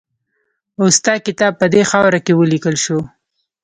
اوستا کتاب په دې خاوره کې ولیکل شو